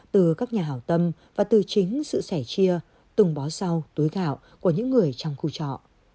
từ các nhà hảo tâm và từ chính sự sẻ chia tùng bó sau túi gạo của những người trong khu trọ